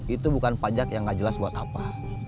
itu bukan pajak yang gak jelas buat apa